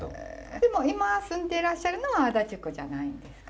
でも今住んでらっしゃるのは足立区じゃないんですか？